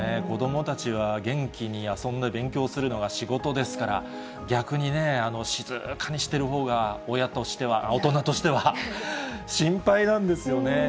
子どもたちは元気に遊んで勉強するのが仕事ですから、逆にね、静かにしてるほうが親としては、大人としては心配なんですよね。